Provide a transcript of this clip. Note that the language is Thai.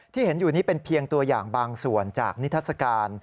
เห็นอยู่นี้เป็นเพียงตัวอย่างบางส่วนจากนิทัศกาล